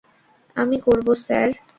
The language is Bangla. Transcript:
আমি করব, স্যার।